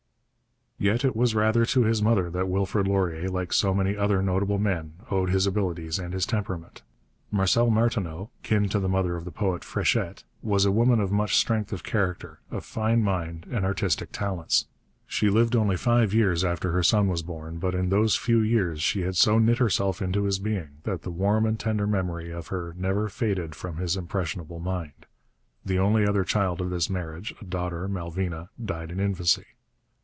Yet it was rather to his mother that Wilfrid Laurier, like so many other notable men, owed his abilities and his temperament. Marcelle Martineau, kin to the mother of the poet Fréchette, was a woman of much strength of character, of fine mind and artistic talents. She lived only five years after her son was born, but in those few years she had so knit herself into his being that the warm and tender memory of her never faded from his impressionable mind. The only other child of this marriage, a daughter, Malvina, died in infancy.